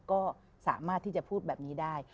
ก็สามารถที่จะพูดแบบนี้ได้